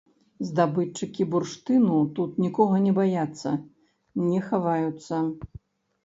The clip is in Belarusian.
Здабытчыкі бурштыну тут нікога не баяцца, не хаваюцца.